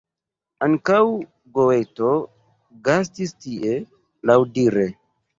Ankaŭ Goeto gastis tie, laŭdire.